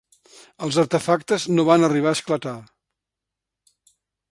Els artefactes no van arribar a esclatar.